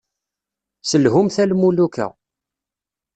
Selhumt-t a lmuluka.